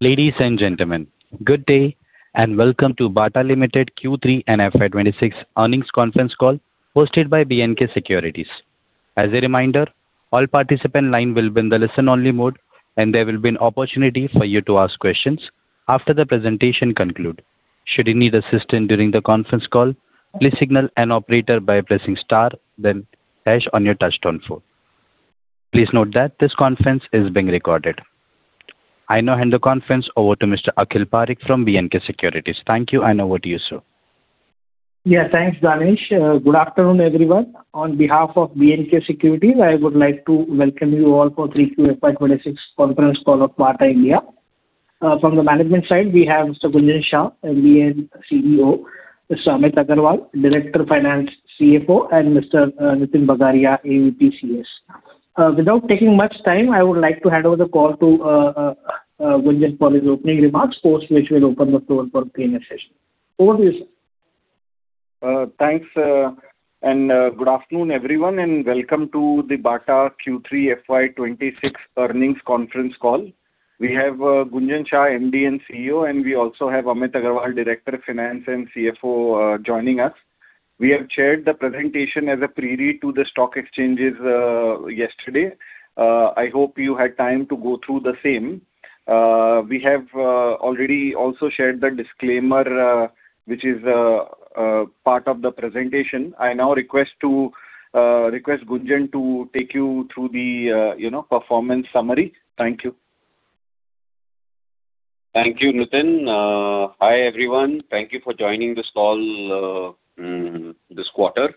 Ladies and gentlemen, good day, and welcome to Bata India Limited Q3 and FY 26 earnings conference call, hosted by B&K Securities. As a reminder, all participant lines will be in the listen-only mode, and there will be an opportunity for you to ask questions after the presentation conclude. Should you need assistance during the conference call, please signal an operator by pressing star, then hash on your touchtone phone. Please note that this conference is being recorded. I now hand the conference over to Mr. Akhil Parekh from B&K Securities. Thank you. Over to you, sir. Yeah, thanks, Danish. Good afternoon, everyone. On behalf of B&K Securities, I would like to welcome you all for Q3 FY 2026 conference call of Bata India. From the management side, we have Mr. Gunjan Shah, MD and CEO, Mr. Amit Aggarwal, Director of Finance, CFO, and Mr. Nitin Bagaria, AVP CS. Without taking much time, I would like to hand over the call to Gunjan for his opening remarks, post which we'll open the floor for Q&A session. Over to you, sir. Thanks, and good afternoon, everyone, and welcome to the Bata Q3 FY26 earnings conference call. We have Gunjan Shah, MD and CEO, and we also have Amit Aggarwal, Director of Finance and CFO, joining us. We have shared the presentation as a pre-read to the stock exchanges yesterday. I hope you had time to go through the same. We have already also shared the disclaimer, which is part of the presentation. I now request Gunjan to take you through the, you know, performance summary. Thank you. Thank you, Nitin. Hi, everyone. Thank you for joining this call this quarter.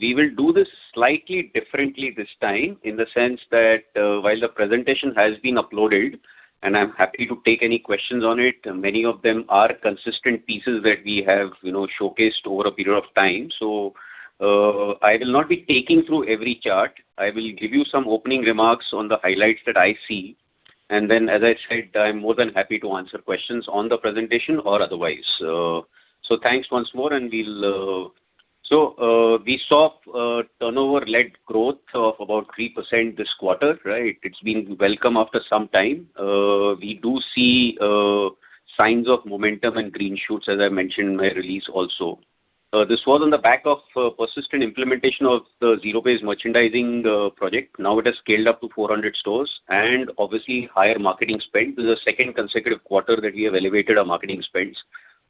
We will do this slightly differently this time, in the sense that, while the presentation has been uploaded, and I'm happy to take any questions on it, many of them are consistent pieces that we have, you know, showcased over a period of time. So, I will not be taking through every chart. I will give you some opening remarks on the highlights that I see, and then, as I said, I'm more than happy to answer questions on the presentation or otherwise. So thanks once more, and we'll... So, we saw a turnover-led growth of about 3% this quarter, right? It's been welcome after some time. We do see signs of momentum and green shoots, as I mentioned in my release also. This was on the back of persistent implementation of the Zero-Based Merchandising project. Now it has scaled up to 400 stores, and obviously higher marketing spend. This is the second consecutive quarter that we have elevated our marketing spends.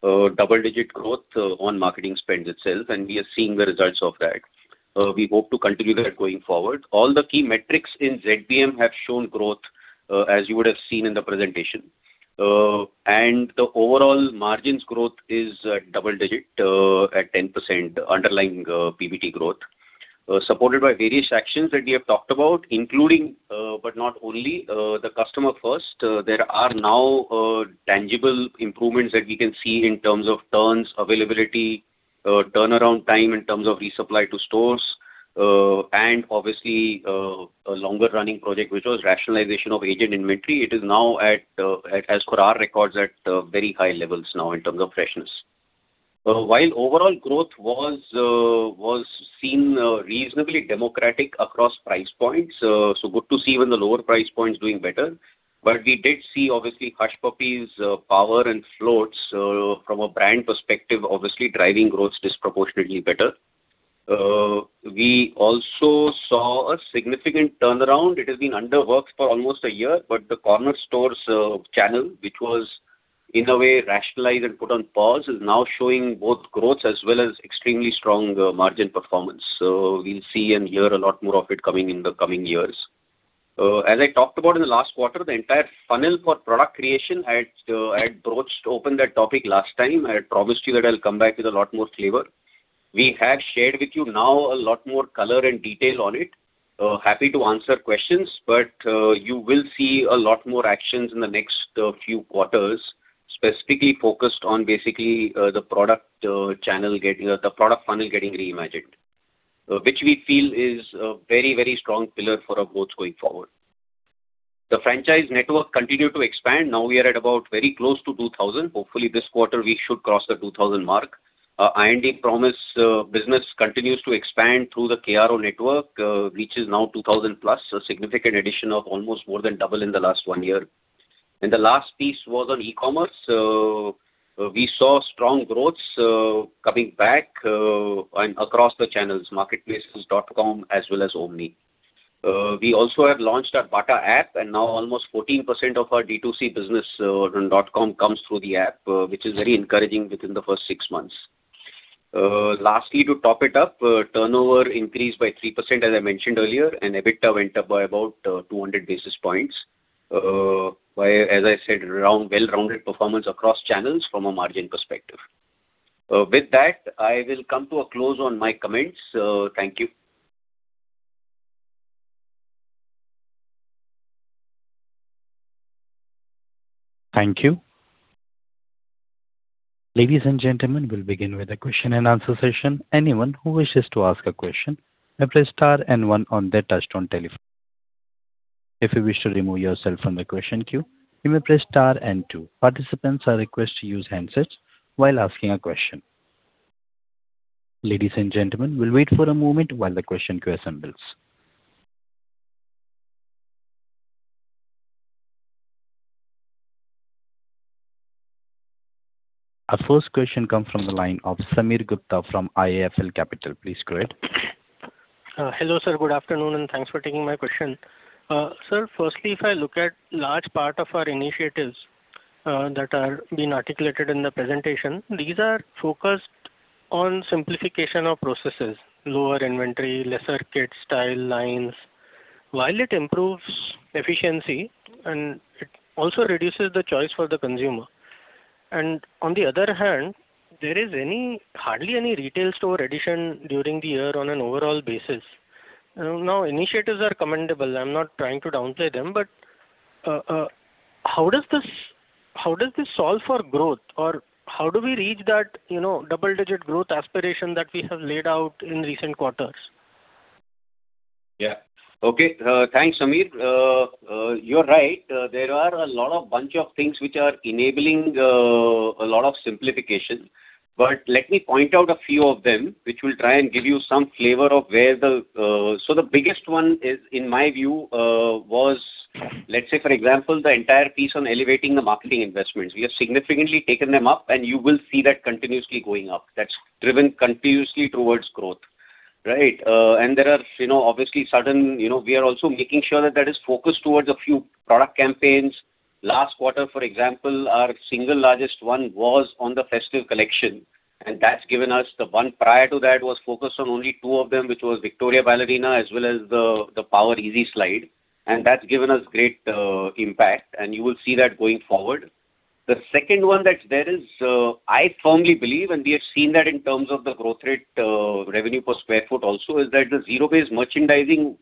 Double-digit growth on marketing spends itself, and we are seeing the results of that. We hope to continue that going forward. All the key metrics in ZBM have shown growth, as you would have seen in the presentation. And the overall margins growth is double-digit at 10% underlying PBT growth. Supported by various actions that we have talked about, including, but not only, the customer first. There are now tangible improvements that we can see in terms of turns, availability, turnaround time in terms of resupply to stores, and obviously a longer running project, which was rationalization of aged inventory. It is now at, as per our records, at very high levels now in terms of freshness. While overall growth was seen reasonably democratic across price points, so good to see even the lower price points doing better. But we did see, obviously, Hush Puppies, Power and Floatz, from a brand perspective, obviously driving growth disproportionately better. We also saw a significant turnaround. It has been under works for almost a year, but the corner stores channel, which was, in a way, rationalized and put on pause, is now showing both growth as well as extremely strong margin performance. So we'll see and hear a lot more of it coming in the coming years. As I talked about in the last quarter, the entire funnel for product creation, I had broached open that topic last time. I had promised you that I'll come back with a lot more flavor. We have shared with you now a lot more color and detail on it. Happy to answer questions, but you will see a lot more actions in the next few quarters, specifically focused on basically the product channel getting the product funnel getting reimagined. which we feel is a very, very strong pillar for our growth going forward. The franchise network continued to expand. Now we are at about very close to 2,000. Hopefully, this quarter, we should cross the 2,000 mark. IND Promise business continues to expand through the KRO network, which is now 2,000+, a significant addition of almost more than double in the last 1 year. And the last piece was on e-commerce. We saw strong growth coming back and across the channels, marketplaces, dot-com, as well as omni. We also have launched our Bata app, and now almost 14% of our D2C business on dot-com comes through the app, which is very encouraging within the first six months. Lastly, to top it up, turnover increased by 3%, as I mentioned earlier, and EBITDA went up by about 200 basis points. As I said, round, well-rounded performance across channels from a margin perspective. With that, I will come to a close on my comments. Thank you. Thank you. Ladies and gentlemen, we'll begin with a question and answer session. Anyone who wishes to ask a question, may press star and one on their touchtone telephone. If you wish to remove yourself from the question queue, you may press star and two. Participants are requested to use handsets while asking a question. Ladies and gentlemen, we'll wait for a moment while the question queue assembles. Our first question comes from the line of Samir Gupta from IIFL Capital. Please go ahead. Hello, sir. Good afternoon, and thanks for taking my question. Sir, firstly, if I look at large part of our initiatives that are being articulated in the presentation, these are focused on simplification of processes, lower inventory, lesser SKU, style lines. While it improves efficiency, and it also reduces the choice for the consumer, and on the other hand, there is hardly any retail store addition during the year on an overall basis. Now, initiatives are commendable. I'm not trying to downplay them, but how does this solve for growth? Or how do we reach that, you know, double-digit growth aspiration that we have laid out in recent quarters? Yeah. Okay, thanks, Samir. You're right, there are a lot of bunch of things which are enabling a lot of simplification, but let me point out a few of them, which will try and give you some flavor of where the... So the biggest one is, in my view, let's say, for example, the entire piece on elevating the marketing investments. We have significantly taken them up, and you will see that continuously going up. That's driven continuously towards growth, right? And there are, you know, obviously, certain, you know, we are also making sure that that is focused towards a few product campaigns. Last quarter, for example, our single largest one was on the festive collection, and that's given us the one prior to that was focused on only two of them, which was Victoria Ballerina, as well as the, the Power Easy Slide, and that's given us great, impact, and you will see that going forward. The second one that's there is, I firmly believe, and we have seen that in terms of the growth rate, revenue per square foot also, is that the Zero-Based Merchandising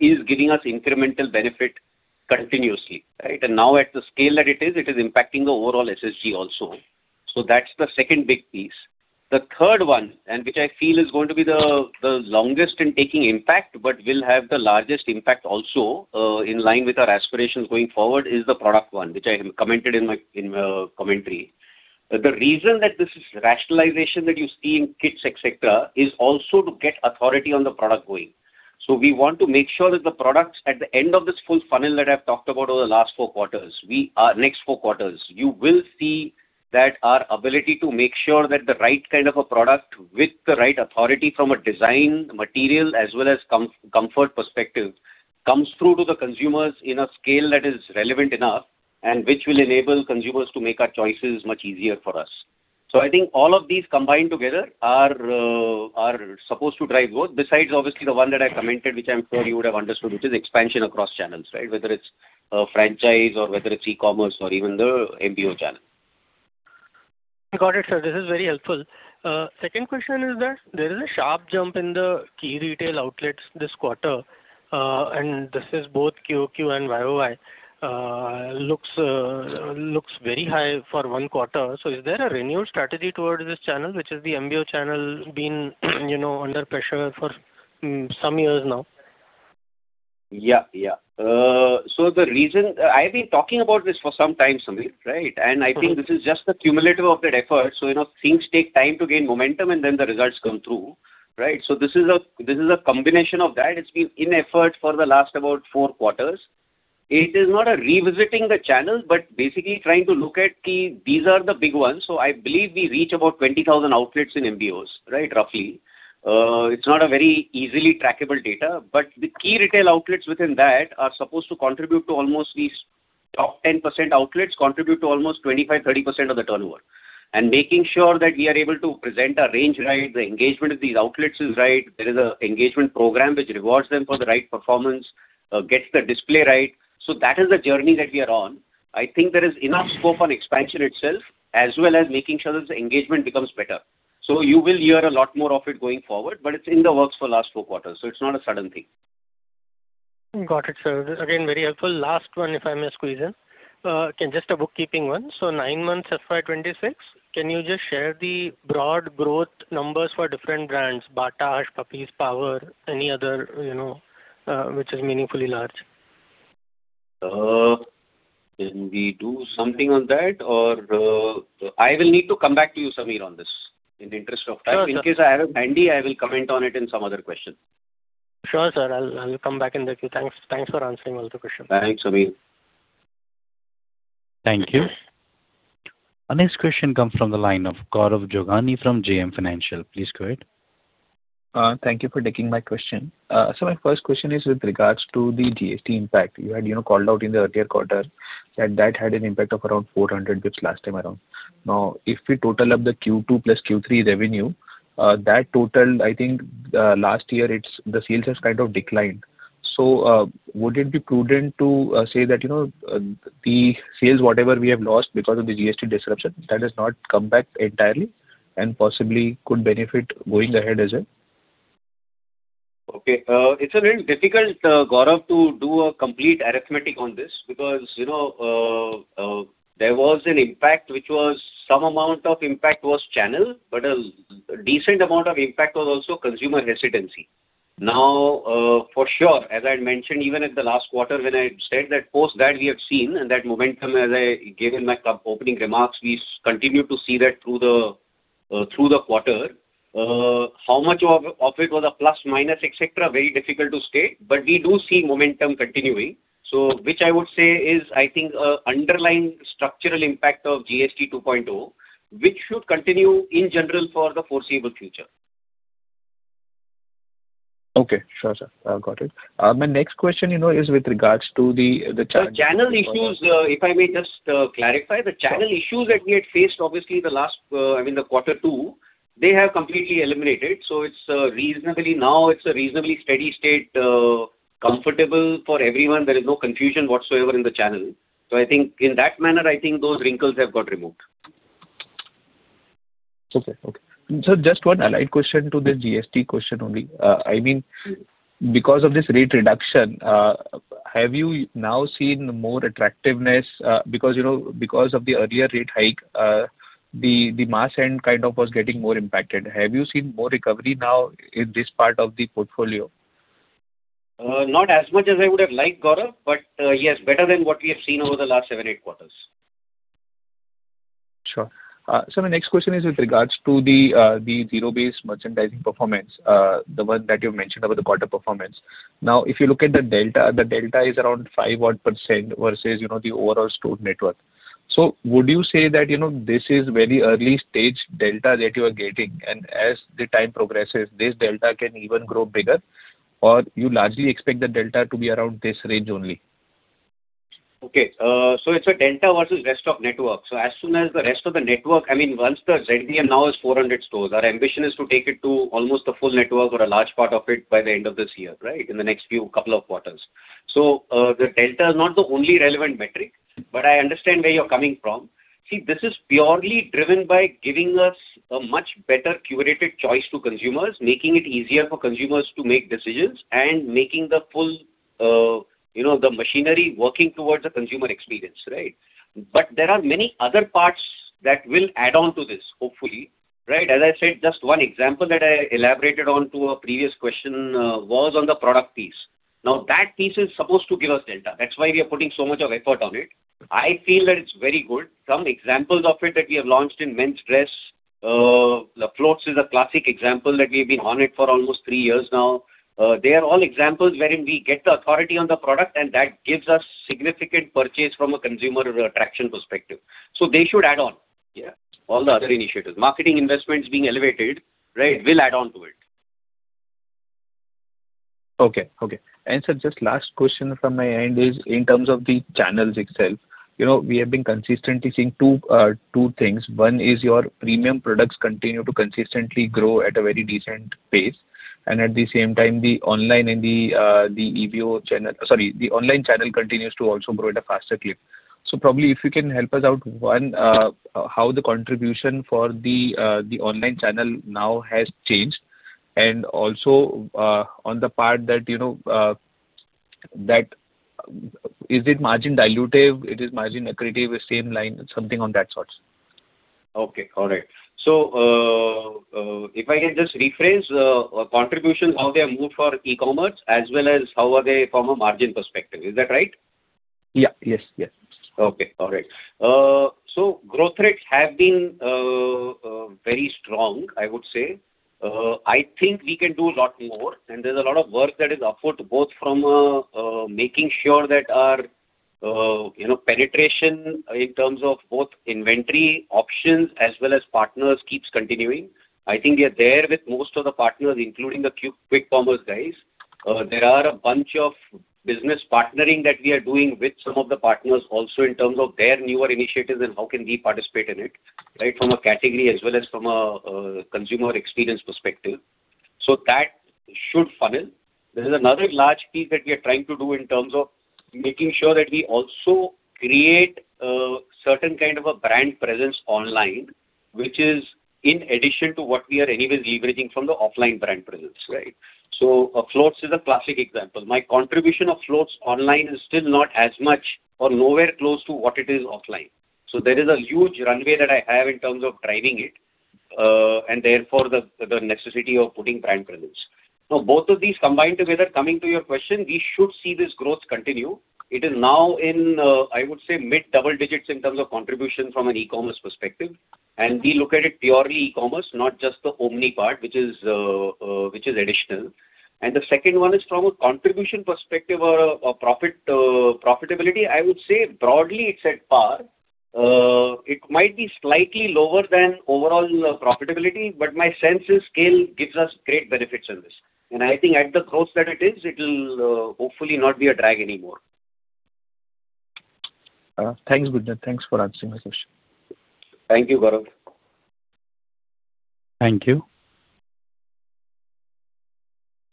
is giving us incremental benefit continuously, right? And now at the scale that it is, it is impacting the overall SSG also. So that's the second big piece. The third one, and which I feel is going to be the longest in taking impact, but will have the largest impact also, in line with our aspirations going forward, is the product one, which I commented in my commentary. The reason that this is rationalization that you see in kits, et cetera, is also to get authority on the product going. So we want to make sure that the products at the end of this full funnel that I've talked about over the last four quarters, next four quarters, you will see that our ability to make sure that the right kind of a product with the right authority from a design, material, as well as comfort perspective, comes through to the consumers in a scale that is relevant enough, and which will enable consumers to make our choices much easier for us. So I think all of these combined together are supposed to drive growth, besides obviously the one that I commented, which I'm sure you would have understood, which is expansion across channels, right? Whether it's a franchise or whether it's e-commerce or even the MBO channel. Got it, sir. This is very helpful. Second question is that there is a sharp jump in the key retail outlets this quarter, and this is both QOQ and YOY. Looks very high for one quarter. So is there a renewed strategy towards this channel, which is the MBO channel being, you know, under pressure for some years now? Yeah, yeah. So the reason... I've been talking about this for some time, Samir, right? And I think this is just the cumulative of that effort. So, you know, things take time to gain momentum, and then the results come through, right? So this is a, this is a combination of that. It's been in effort for the last about four quarters. It is not a revisiting the channel, but basically trying to look at the, these are the big ones. So I believe we reach about 20,000 outlets in MBOs, right, roughly. It's not a very easily trackable data, but the key retail outlets within that are supposed to contribute to almost these top 10% outlets, contribute to almost 25%-30% of the turnover. And making sure that we are able to present our range right, the engagement of these outlets is right. There is a engagement program which rewards them for the right performance, gets the display right. So that is the journey that we are on. I think there is enough scope on expansion itself, as well as making sure that the engagement becomes better. So you will hear a lot more of it going forward, but it's in the works for last four quarters, so it's not a sudden thing. Got it, sir. This is again very helpful. Last one, if I may squeeze in. Okay, just a bookkeeping one. So nine months, FY 2026, can you just share the broad growth numbers for different brands, Bata, Hush Puppies, Power, any other, you know, which is meaningfully large? Can we do something on that? Or, I will need to come back to you, Samir, on this in the interest of time. Sure, sir. In case I have it handy, I will comment on it in some other question. Sure, sir. I'll come back in the queue. Thanks for answering all the questions. Thanks, Sameer. Thank you. Our next question comes from the line of Gaurav Jogani from JM Financial. Please go ahead. Thank you for taking my question. So my first question is with regards to the GST impact. You had, you know, called out in the earlier quarter that that had an impact of around 400 basis last time around. Now, if we total up the Q2 plus Q3 revenue, that total, I think, last year, it's the sales has kind of declined. So, would it be prudent to say that, you know, the sales, whatever we have lost because of the GST disruption, that has not come back entirely and possibly could benefit going ahead as well? Okay, it's a bit difficult, Gaurav, to do a complete arithmetic on this because, you know, there was an impact, which was some amount of impact was channel, but a decent amount of impact was also consumer hesitancy. Now, for sure, as I had mentioned, even at the last quarter, when I said that post that we have seen, and that momentum as I gave in my opening remarks, we continue to see that through the, through the quarter. How much of, of it was a plus, minus, et cetera, very difficult to state, but we do see momentum continuing. So which I would say is, I think, a underlying structural impact of GST 2.0, which should continue in general for the foreseeable future. Okay. Sure, sir. I've got it. My next question, you know, is with regards to the. The channel issues, if I may just clarify. The channel issues that we had faced, obviously, the last, I mean, the quarter two, they have completely eliminated, so it's reasonably now, it's a reasonably steady state, comfortable for everyone. There is no confusion whatsoever in the channel. So I think in that manner, I think those wrinkles have got removed. Okay. Okay. So just one allied question to the GST question only. I mean, because of this rate reduction, have you now seen more attractiveness? Because, you know, because of the earlier rate hike, the mass end kind of was getting more impacted. Have you seen more recovery now in this part of the portfolio? Not as much as I would have liked, Gaurav, but yes, better than what we have seen over the last 7, 8 quarters. Sure. So my next question is with regards to the zero-based merchandising performance, the one that you mentioned about the quarter performance. Now, if you look at the delta, the delta is around 5 odd % versus, you know, the overall store network. So would you say that, you know, this is very early stage delta that you are getting, and as the time progresses, this delta can even grow bigger, or you largely expect the delta to be around this range only? Okay, so it's a delta versus rest of network. So as soon as the rest of the network, I mean, once the ZBM now is 400 stores, our ambition is to take it to almost the full network or a large part of it by the end of this year, right? In the next few couple of quarters. So, the delta is not the only relevant metric, but I understand where you're coming from. See, this is purely driven by giving us a much better curated choice to consumers, making it easier for consumers to make decisions, and making the full, you know, the machinery working towards the consumer experience, right? But there are many other parts that will add on to this, hopefully. Right. As I said, just one example that I elaborated on to a previous question, was on the product piece. Now, that piece is supposed to give us delta. That's why we are putting so much of effort on it. I feel that it's very good. Some examples of it that we have launched in men's dress, the Floatz is a classic example that we've been on it for almost three years now. They are all examples wherein we get the authority on the product, and that gives us significant purchase from a consumer attraction perspective. So they should add on. Yeah. All the other initiatives, marketing investments being elevated, right, will add on to it. Okay, okay. And, sir, just last question from my end is in terms of the channels itself. You know, we have been consistently seeing two, two things. One is your premium products continue to consistently grow at a very decent pace, and at the same time, the online and the, the EBO channel... Sorry, the online channel continues to also grow at a faster clip. So probably if you can help us out, one, how the contribution for the, the online channel now has changed, and also, on the part that, you know, that, is it margin dilutive, it is margin accretive, the same line, something on that sorts. Okay, all right. So, if I can just rephrase, contribution, how they have moved for e-commerce as well as how are they from a margin perspective. Is that right? Yeah. Yes, yes. Okay, all right. So growth rates have been very strong, I would say. I think we can do a lot more, and there's a lot of work that is afoot, both from making sure that our you know, penetration in terms of both inventory options as well as partners keeps continuing. I think we are there with most of the partners, including the Quick Commerce guys. There are a bunch of business partnering that we are doing with some of the partners also in terms of their newer initiatives and how can we participate in it, right? From a category as well as from a consumer experience perspective. So that should funnel. There is another large piece that we are trying to do in terms of making sure that we also create certain kind of a brand presence online, which is in addition to what we are anyways leveraging from the offline brand presence, right? So Floatz is a classic example. My contribution of Floatz online is still not as much or nowhere close to what it is offline. So there is a huge runway that I have in terms of driving it, and therefore, the necessity of putting brand presence. So both of these combined together, coming to your question, we should see this growth continue. It is now in, I would say, mid-double digits in terms of contribution from an e-commerce perspective. And we look at it purely e-commerce, not just the omni part, which is additional. The second one is from a contribution perspective or profit, profitability, I would say broadly it's at par. It might be slightly lower than overall profitability, but my sense is scale gives us great benefits in this. I think at the growth that it is, it'll hopefully not be a drag anymore. Thanks, Vidya. Thanks for answering this question. Thank you, Gaurav. Thank you.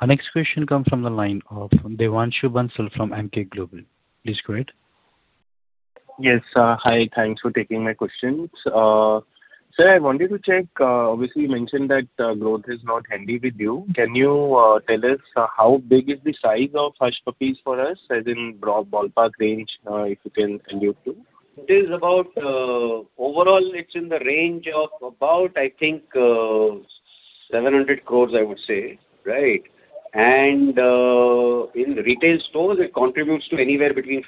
Our next question comes from the line of Devanshu Bansal from AMANK Global. Please go ahead. Yes, hi, thanks for taking my questions. Sir, I wanted to check, obviously, you mentioned that growth is not healthy with you. Can you tell us how big is the size of Hush Puppies for us, as in ballpark range, if you can allude to? It is about, overall, it's in the range of about, I think, 700 crore, I would say, right? And, in retail stores, it contributes to anywhere between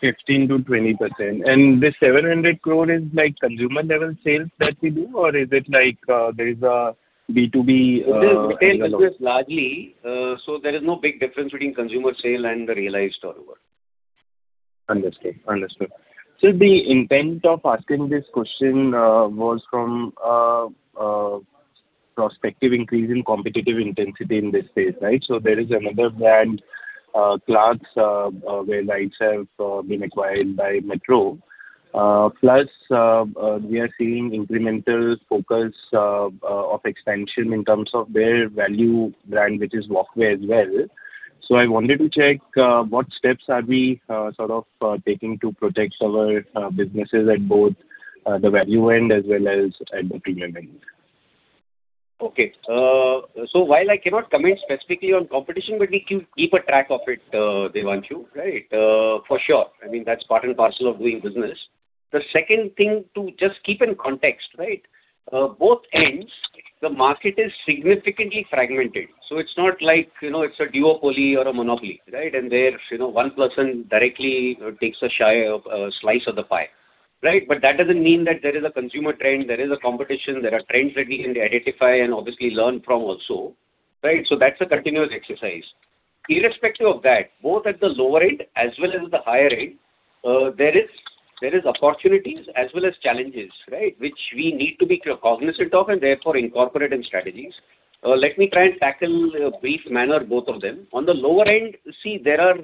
15%-20%. 15%-20%. And this 700 crore is like consumer level sales that we do, or is it like, there is a B2B? It is retail business largely, so there is no big difference between consumer sale and the realized turnover. Understood. Understood. So the intent of asking this question was from prospective increase in competitive intensity in this space, right? So there is another brand, Clarks, where rights have been acquired by Metro. Plus, we are seeing incremental focus of expansion in terms of their value brand, which is Walkway as well. So I wanted to check what steps are we sort of taking to protect our businesses at both the value end as well as at the premium end? Okay. So while I cannot comment specifically on competition, but we keep a track of it, Devanshu, right? For sure. I mean, that's part and parcel of doing business. The second thing to just keep in context, right, both ends, the market is significantly fragmented, so it's not like, you know, it's a duopoly or a monopoly, right? And there, you know, one person directly takes a share of, slice of the pie, right? But that doesn't mean that there is a consumer trend, there is a competition, there are trends that we can identify and obviously learn from also, right? So that's a continuous exercise. Irrespective of that, both at the lower end as well as the higher end, there is opportunities as well as challenges, right? Which we need to be cognizant of and therefore incorporate in strategies. Let me try and tackle in a brief manner, both of them. On the lower end, see, there are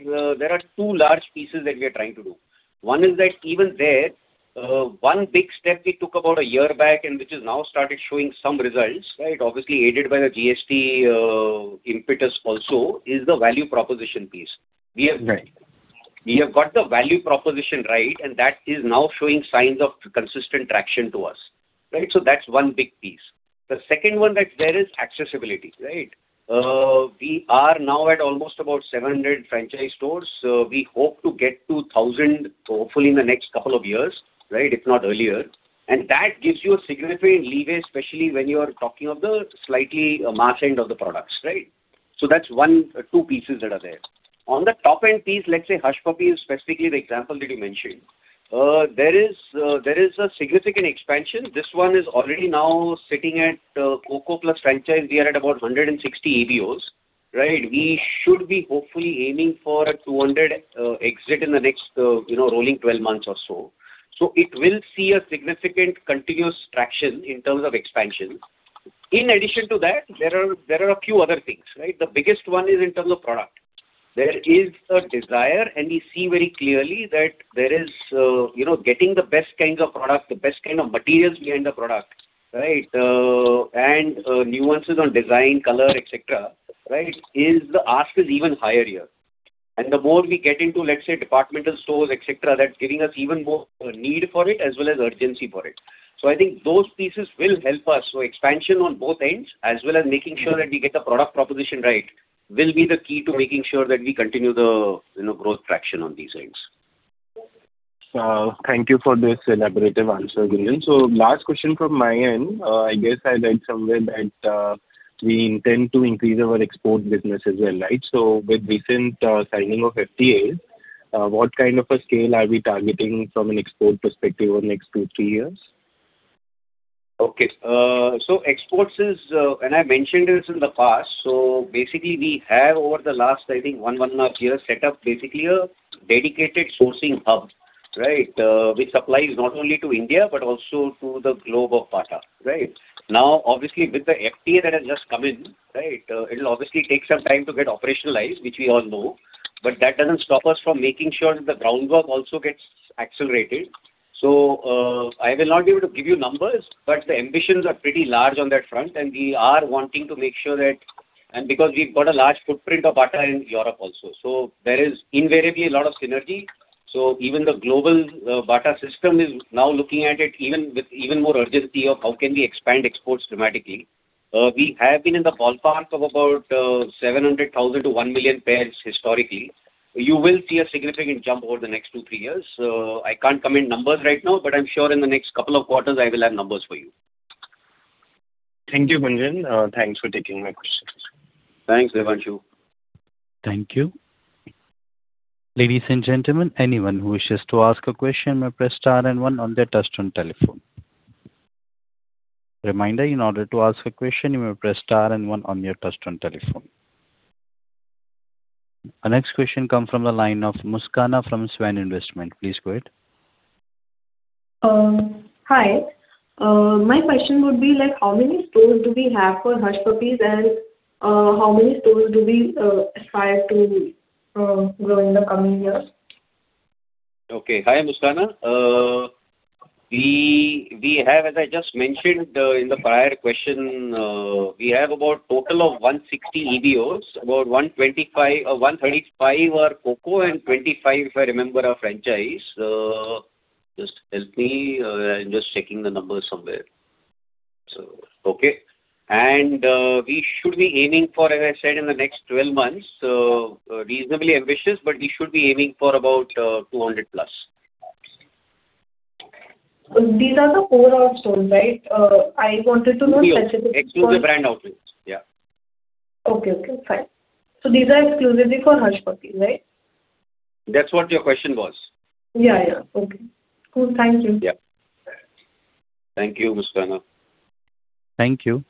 two large pieces that we are trying to do. One is that even there, one big step we took about a year back and which has now started showing some results, right, obviously aided by the GST impetus also, is the value proposition piece. We have- Right. We have got the value proposition right, and that is now showing signs of consistent traction to us, right? So that's one big piece. The second one that there is accessibility, right? We are now at almost about 700 franchise stores, so we hope to get to 1,000, hopefully in the next couple of years, right? If not earlier. And that gives you a significant leeway, especially when you are talking of the slightly margin of the products, right? So that's one, two pieces that are there. On the top end piece, let's say, Hush Puppies, specifically the example that you mentioned. There is a significant expansion. This one is already now sitting at Coco Plus franchise. We are at about 160 EBOs, right? We should be hopefully aiming for a 200 exit in the next, you know, rolling 12 months or so. So it will see a significant continuous traction in terms of expansion. In addition to that, there are, there are a few other things, right? The biggest one is in terms of product. There is a desire, and we see very clearly that there is, you know, getting the best kinds of product, the best kind of materials behind the product, right? And, nuances on design, color, et cetera, right, is the ask is even higher here. And the more we get into, let's say, departmental stores, et cetera, that's giving us even more need for it as well as urgency for it. So I think those pieces will help us. Expansion on both ends, as well as making sure that we get the product proposition right, will be the key to making sure that we continue the, you know, growth traction on these ends. Thank you for this elaborative answer, Gunjan. So last question from my end. I guess I read somewhere that we intend to increase our export business as well, right? So with recent signing of FTA, what kind of a scale are we targeting from an export perspective over the next 2-3 years? Okay. So exports is, and I mentioned this in the past, so basically we have over the last, I think, one and a half years, set up basically a dedicated sourcing hub, right? Which supplies not only to India, but also to the globe of Bata, right? Now, obviously, with the FTA that has just come in, right, it'll obviously take some time to get operationalized, which we all know, but that doesn't stop us from making sure that the groundwork also gets accelerated. So, I will not be able to give you numbers, but the ambitions are pretty large on that front, and we are wanting to make sure that... And because we've got a large footprint of Bata in Europe also, so there is invariably a lot of synergy. So even the global, Bata system is now looking at it even with even more urgency of how can we expand exports dramatically. We have been in the ballpark of about, 700,000-1,000,000 pairs historically. You will see a significant jump over the next 2-3 years. I can't come in numbers right now, but I'm sure in the next couple of quarters, I will have numbers for you. Thank you, Gunjan. Thanks for taking my questions. Thanks, Devanshu. Thank you. Ladies and gentlemen, anyone who wishes to ask a question may press star and one on their touchtone telephone. Reminder, in order to ask a question, you may press star and one on your touchtone telephone. Our next question comes from the line of Muskana from Swan Investment. Please go ahead. Hi. My question would be, like, how many stores do we have for Hush Puppies, and how many stores do we aspire to grow in the coming years? Okay. Hi, Muskana. We have, as I just mentioned, in the prior question, we have about total of 160 EBOs, about 125, 135 are Coco and 25, if I remember, are franchise. Just help me, I'm just checking the numbers somewhere.... Okay. And we should be aiming for, as I said, in the next 12 months, reasonably ambitious, but we should be aiming for about 200+. These are the COCO stores, right? I wanted to know specific- No, Exclusive Brand Outlets. Yeah. Okay. Okay, fine. So these are exclusively for Hush Puppies, right? That's what your question was. Yeah, yeah. Okay. Cool. Thank you. Yeah. Thank you, Muskana. Thank you.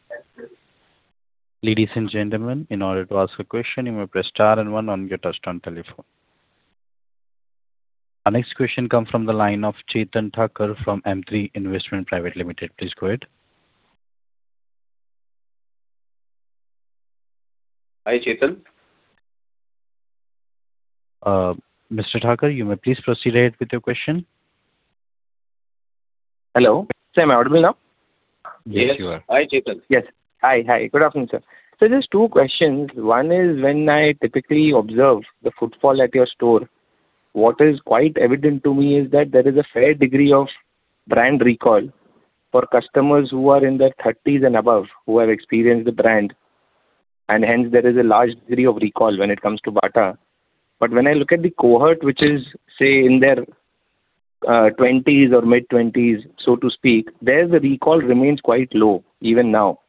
Ladies and gentlemen, in order to ask a question, you may press star and one on your touchtone telephone. Our next question comes from the line of Chetan Thacker from M3 Investment Private Limited. Please go ahead. Hi, Chetan. Mr. Thacker, you may please proceed with your question. Hello. Sir, am I audible now? Yes, you are. Hi, Chetan. Yes. Hi. Hi. Good afternoon, sir. So just two questions. One is, when I typically observe the footfall at your store, what is quite evident to me is that there is a fair degree of brand recall for customers who are in their thirties and above, who have experienced the brand, and hence there is a large degree of recall when it comes to Bata. But when I look at the cohort, which is, say, in their twenties or mid-twenties, so to speak, there the recall remains quite low even now.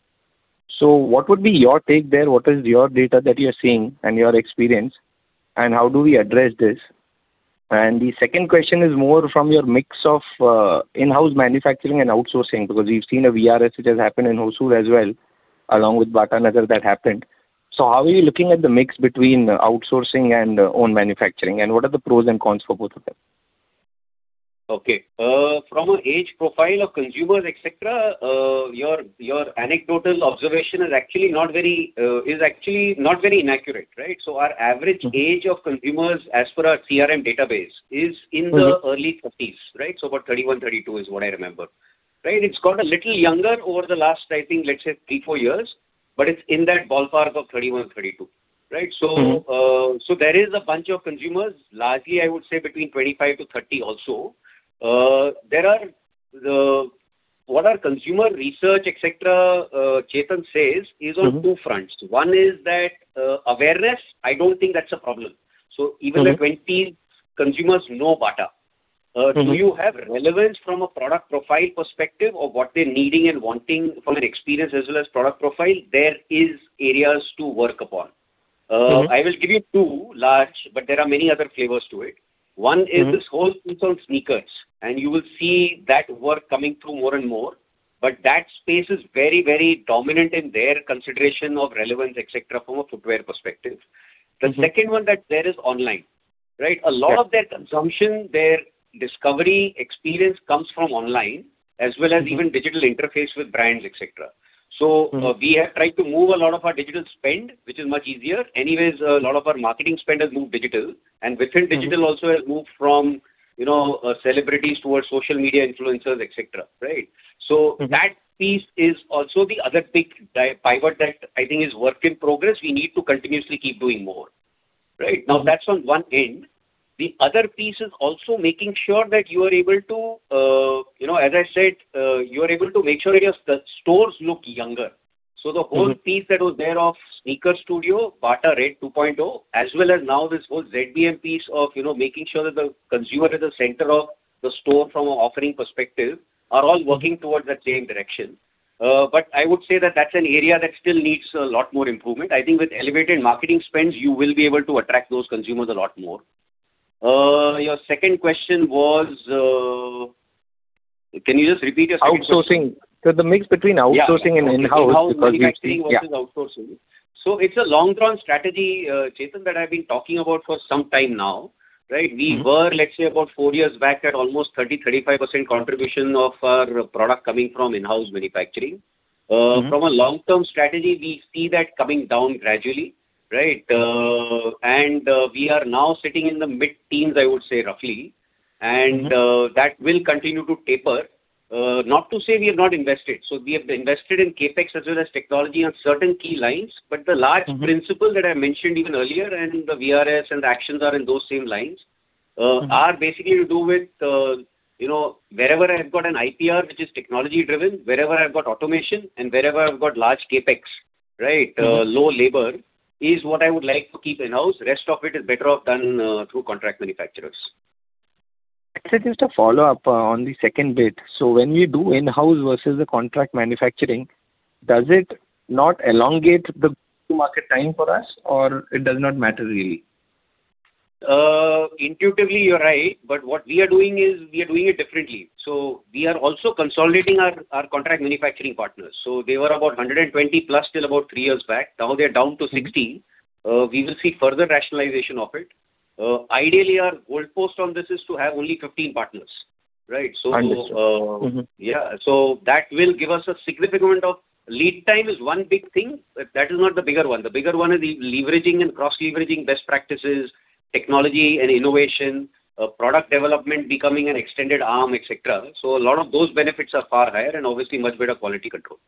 So what would be your take there? What is your data that you're seeing and your experience, and how do we address this? And the second question is more from your mix of in-house manufacturing and outsourcing, because we've seen a VRS which has happened in Hosur as well, along with Batanagar, that happened. How are you looking at the mix between outsourcing and own manufacturing, and what are the pros and cons for both of them? Okay. From an age profile of consumers, etc., your, your anecdotal observation is actually not very, is actually not very inaccurate, right? So our average age of consumers, as per our CRM database, is in the early thirties, right? So about 31, 32 is what I remember, right? It's got a little younger over the last, I think, let's say 3, 4 years, but it's in that ballpark of 31, 32, right? (.......) So there is a bunch of consumers, largely, I would say, between 25-30 also. There are the... What our consumer research, et cetera, Chetan, says- (......) is on two fronts. One is that, awareness, I don't think that's a problem. (.......) Even the twenties, consumers know Bata. (.......) Do you have relevance from a product profile perspective of what they're needing and wanting from an experience as well as product profile? There is areas to work upon. (.......) I will give you two large, but there are many other flavors to it. (.........) One is this whole piece on sneakers, and you will see that work coming through more and more, but that space is very, very dominant in their consideration of relevance, et cetera, from a footwear perspective. (....) The second one that there is online, right? Yeah. A lot of their consumption, their discovery experience comes from online, as well as- (..........) even digital interface with brands, et cetera. (........) So we have tried to move a lot of our digital spend, which is much easier. Anyways, a lot of our marketing spend has moved digital, and within digital- also has moved from, you know, celebrities towards social media influencers, et cetera, right? (......) So that piece is also the other big pivot that I think is work in progress. We need to continuously keep doing more, right? Now, that's on one end. The other piece is also making sure that you are able to, you know, as I said, you are able to make sure that your stores look younger. (.......) So the whole piece that was there of Sneaker Studio, Bata Red 2.0, as well as now this whole ZBM piece of, you know, making sure that the consumer is the center of the store from a offering perspective, are all working towards that same direction. But I would say that that's an area that still needs a lot more improvement. I think with elevated marketing spends, you will be able to attract those consumers a lot more. Your second question was... Can you just repeat your second question? Outsourcing. So the mix between outsourcing and in-house. Yeah, in-house manufacturing- Yeah. -versus outsourcing. So it's a long-term strategy, Chetan, that I've been talking about for some time now, right? (......) We were, let's say, about 4 years back, at almost 30%-35% contribution of our product coming from in-house manufacturing. (.....) From a long-term strategy, we see that coming down gradually, right? And we are now sitting in the mid-teens, I would say, roughly. (.....) That will continue to taper. Not to say we have not invested. So we have invested in CapEx as well as technology on certain key lines, but the large- (......) principle that I mentioned even earlier, and the VRS and the actions are in those same lines. (......) are basically to do with, you know, wherever I've got an IPR, which is technology-driven, wherever I've got automation and wherever I've got large CapEx, right? Low labor is what I would like to keep in-house. The rest of it is better off done through contract manufacturers. Actually, just a follow-up on the second bit. So when we do in-house versus the contract manufacturing, does it not elongate the go-to-market time for us, or it does not matter really? Intuitively, you're right, but what we are doing is we are doing it differently. So we are also consolidating our, our contract manufacturing partners. So they were about 120+ till about three years back. Now they are down to 60. We will see further rationalization of it. Ideally, our goalpost on this is to have only 15 partners, right? Understood. Mm-hmm. So, yeah. So that will give us a significant amount of... Lead time is one big thing, but that is not the bigger one. The bigger one is the leveraging and cross-leveraging best practices, technology and innovation, product development becoming an extended arm, et cetera. So a lot of those benefits are far higher and obviously much better quality control.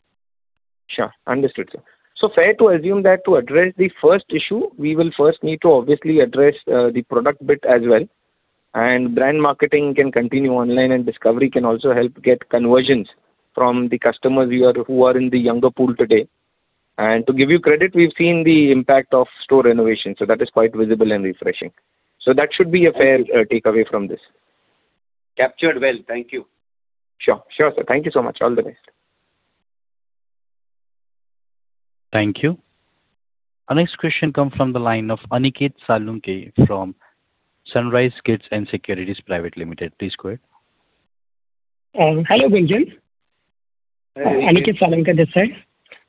Sure. Understood, sir. So fair to assume that to address the first issue, we will first need to obviously address, the product bit as well? ...Brand marketing can continue online, and discovery can also help get conversions from the customers we are, who are in the younger pool today. To give you credit, we've seen the impact of store renovation, so that is quite visible and refreshing. That should be a fair takeaway from this. Captured well. Thank you. Sure. Sure, sir. Thank you so much. All the best. Thank you. Our next question comes from the line of Aniket Salunke from Sunrise Kids and Securities Private Limited. Please go ahead. Hello, Gunjan. Aniket Salunke this side.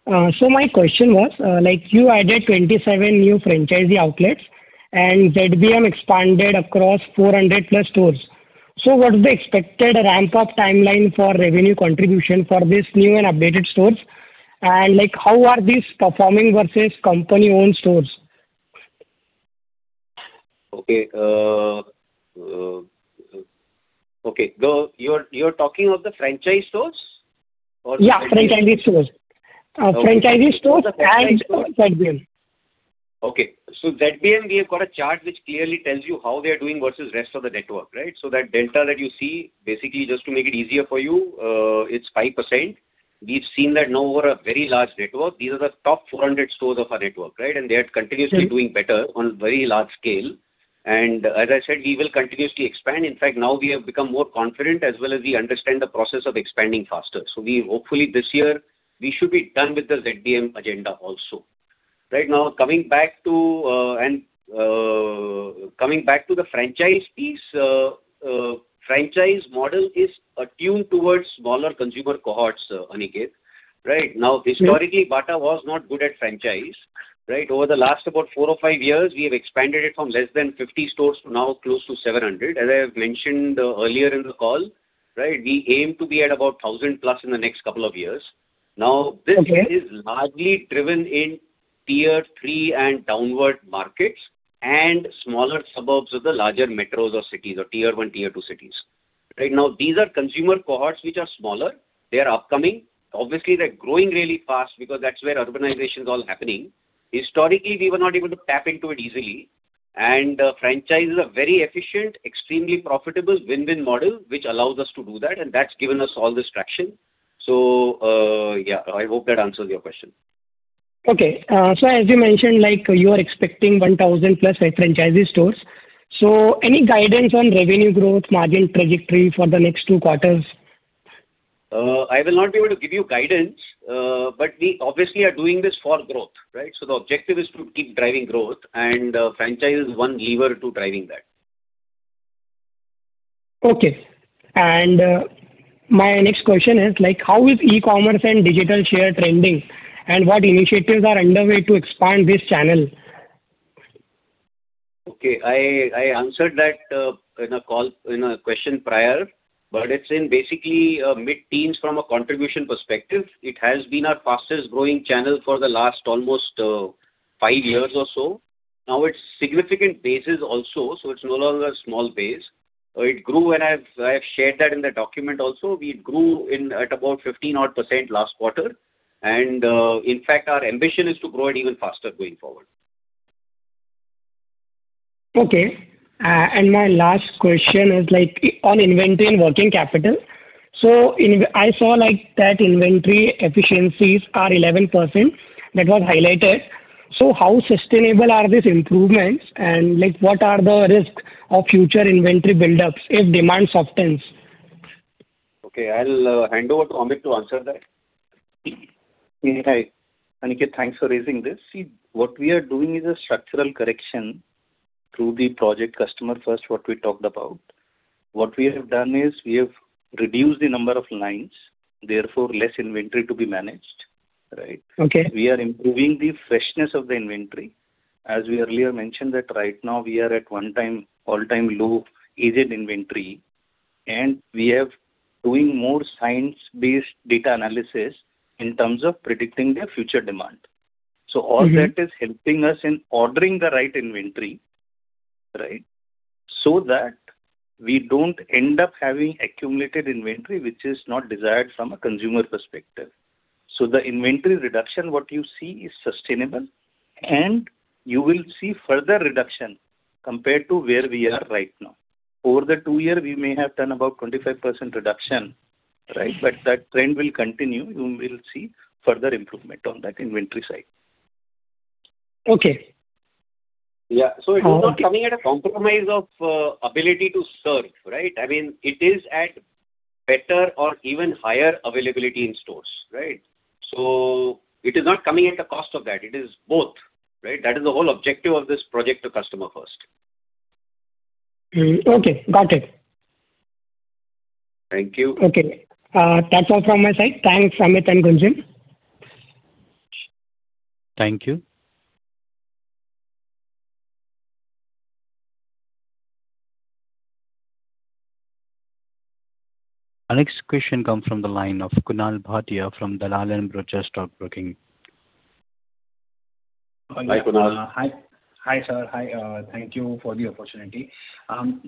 So my question was, like you added 27 new franchisee outlets, and ZBM expanded across 400+ stores. So what is the expected ramp-up timeline for revenue contribution for this new and updated stores? And like, how are these performing versus company-owned stores? Okay, the—you're talking of the franchise stores or- Yeah, franchisee stores. Franchisee stores and ZBM. Okay. So ZBM, we have got a chart which clearly tells you how they are doing versus rest of the network, right? So that delta that you see, basically, just to make it easier for you, it's 5%. We've seen that now over a very large network. These are the top 400 stores of our network, right? And they are continuously doing better on a very large scale. And as I said, we will continuously expand. In fact, now we have become more confident as well as we understand the process of expanding faster. So we hopefully this year, we should be done with the ZBM agenda also. Right now, coming back to, and, coming back to the franchisee, so, franchise model is attuned towards smaller consumer cohorts, Aniket. Right now, historically, Bata was not good at franchise, right? Over the last about 4 or 5 years, we have expanded it from less than 50 stores to now close to 700. As I have mentioned earlier in the call, right, we aim to be at about 1,000 plus in the next couple of years. Okay. Now, this is largely driven in tier three and downward markets, and smaller suburbs of the larger metros or cities or tier one, tier two cities. Right now, these are consumer cohorts which are smaller. They are upcoming. Obviously, they're growing really fast because that's where urbanization is all happening. Historically, we were not able to tap into it easily, and, franchise is a very efficient, extremely profitable win-win model, which allows us to do that, and that's given us all this traction. So, yeah, I hope that answers your question. Okay. So as you mentioned, like you are expecting 1,000+ franchisee stores. So any guidance on revenue growth, margin trajectory for the next 2 quarters? I will not be able to give you guidance, but we obviously are doing this for growth, right? So the objective is to keep driving growth, and franchise is one lever to driving that. Okay. My next question is, like, how is e-commerce and digital share trending, and what initiatives are underway to expand this channel? Okay, I, I answered that in a call, in a question prior, but it's basically mid-teens from a contribution perspective. It has been our fastest growing channel for the last almost five years or so. Now, it's significant bases also, so it's no longer a small base. It grew, and I've, I have shared that in the document also. We grew at about 15 odd% last quarter, and in fact, our ambition is to grow it even faster going forward. Okay. And my last question is like on inventory and working capital. So I saw like that inventory efficiencies are 11%. That was highlighted. So how sustainable are these improvements, and like, what are the risks of future inventory buildups if demand softens? Okay, I'll hand over to Amit to answer that. Yeah, hi. Aniket, thanks for raising this. See, what we are doing is a structural correction through the Project Customer First, what we talked about. What we have done is we have reduced the number of lines, therefore, less inventory to be managed, right? Okay. We are improving the freshness of the inventory. As we earlier mentioned, that right now we are at one time, all-time low aged inventory, and we have doing more science-based data analysis in terms of predicting the future demand. Mm-hmm. All that is helping us in ordering the right inventory, right? So that we don't end up having accumulated inventory, which is not desired from a consumer perspective. So the inventory reduction, what you see, is sustainable, and you will see further reduction compared to where we are right now. Over the 2-year, we may have done about 25% reduction, right? But that trend will continue. You will see further improvement on that inventory side. Okay. Yeah, so it is not coming at a compromise of ability to serve, right? I mean, it is at better or even higher availability in stores, right? So it is not coming at the cost of that. It is both, right? That is the whole objective of this project to customer first. Mm. Okay, got it. Thank you. Okay. That's all from my side. Thanks, Amit and Gunjan. Thank you. Our next question comes from the line of Kunal Bhatia from Dalal and Brothers Stockbroking. Hi, Kunal. Hi. Hi, sir. Hi, thank you for the opportunity.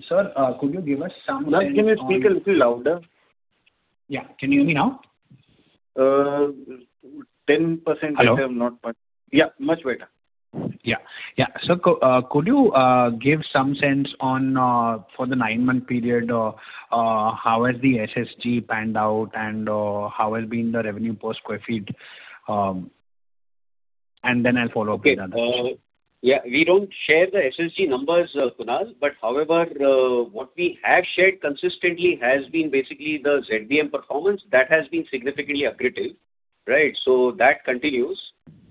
Sir, could you give us some- Kunal, can you speak a little louder?... Yeah. Can you hear me now? 10% I am not, but- Hello. Yeah, much better. Yeah, yeah. So, could you give some sense on, for the nine-month period, how has the SSG panned out and how has been the revenue per square feet? And then I'll follow up with another. Okay. Yeah, we don't share the SSG numbers, Kunal, but however, what we have shared consistently has been basically the ZBM performance. That has been significantly accretive, right? So that continues.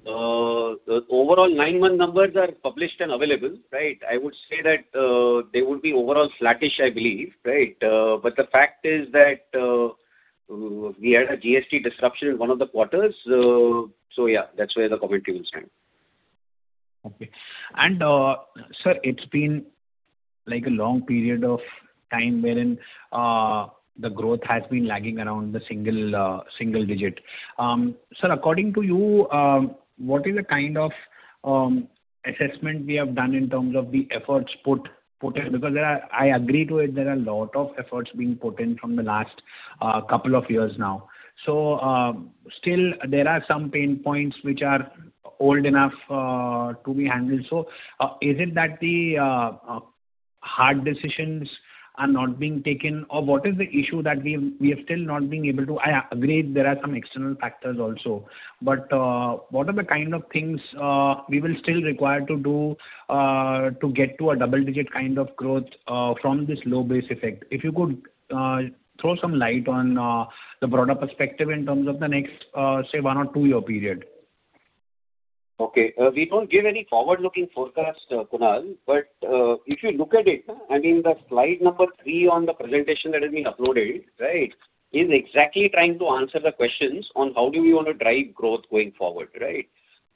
The overall nine-month numbers are published and available, right? I would say that, they would be overall flattish, I believe, right? But the fact is that, we had a GST disruption in one of the quarters, so yeah, that's where the commentary will stand. Okay. Sir, it's been like a long period of time wherein the growth has been lagging around the single digit. Sir, according to you, what is the kind of assessment we have done in terms of the efforts put in? Because there are, I agree to it, there are a lot of efforts being put in from the last couple of years now. Still there are some pain points which are old enough to be handled. Is it that the hard decisions are not being taken? Or what is the issue that we have still not been able to... I agree there are some external factors also, but, what are the kind of things, we will still require to do, to get to a double-digit kind of growth, from this low base effect? If you could, throw some light on, the broader perspective in terms of the next, say, one or two-year period. Okay. We don't give any forward-looking forecast, Kunal, but, if you look at it, I mean, the slide number 3 on the presentation that has been uploaded, right, is exactly trying to answer the questions on how do we want to drive growth going forward, right?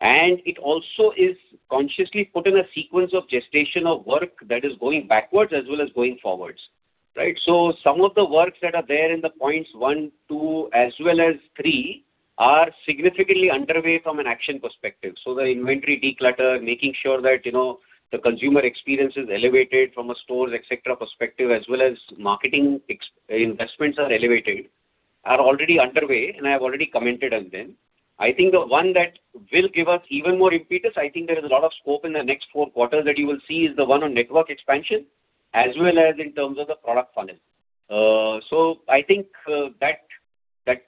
And it also is consciously put in a sequence of gestation of work that is going backwards as well as going forwards, right? So some of the works that are there in the points 1, 2, as well as 3, are significantly underway from an action perspective. So the inventory declutter, making sure that, you know, the consumer experience is elevated from a stores, et cetera, perspective, as well as marketing ex-investments are elevated, are already underway, and I have already commented on them. I think the one that will give us even more impetus, I think there is a lot of scope in the next four quarters that you will see, is the one on network expansion, as well as in terms of the product funnel. So I think, that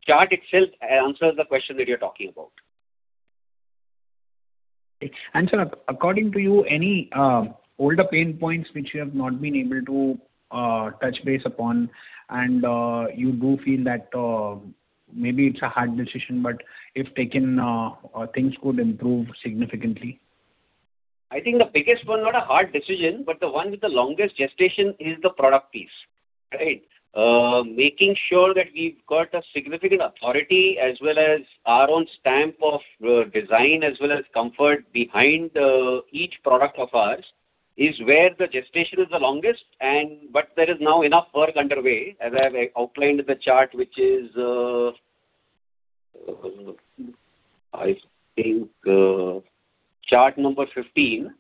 chart itself answers the question that you're talking about. Sir, according to you, any older pain points which you have not been able to touch base upon, and you do feel that maybe it's a hard decision, but if taken, things could improve significantly? I think the biggest one, not a hard decision, but the one with the longest gestation is the product piece, right? Making sure that we've got a significant authority, as well as our own stamp of design, as well as comfort behind each product of ours, is where the gestation is the longest. But there is now enough work underway, as I have outlined the chart, which is, I think, chart number 15,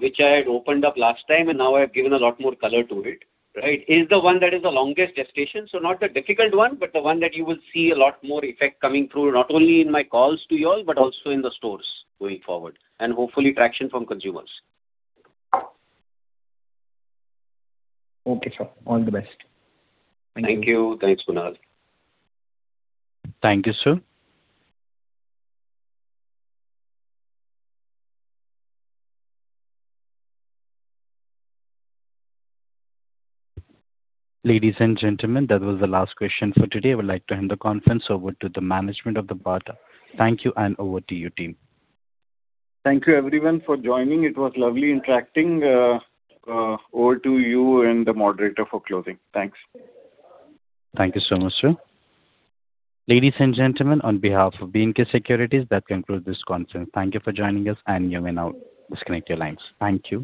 which I had opened up last time, and now I've given a lot more color to it, right, is the one that is the longest gestation. So not the difficult one, but the one that you will see a lot more effect coming through, not only in my calls to you all, but also in the stores going forward, and hopefully traction from consumers. Okay, sir. All the best. Thank you. Thanks, Kunal. Thank you, sir. Ladies and gentlemen, that was the last question for today. I would like to end the conference. Over to the management of the Bata. Thank you, and over to you, team. Thank you, everyone, for joining. It was lovely interacting. Over to you and the moderator for closing. Thanks. Thank you so much, sir. Ladies and gentlemen, on behalf of B&K Securities, that concludes this conference. Thank you for joining us, and you may now disconnect your lines. Thank you.